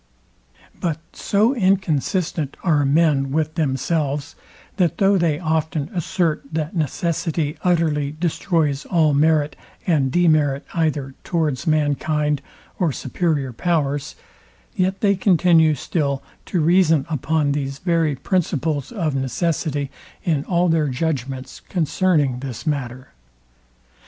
But so inconsistent are men with themselves, that though they often assert, that necessity utterly destroys all merit and demerit either towards mankind or superior powers, yet they continue still to reason upon these very principles of necessity in all their judgments concerning this matter.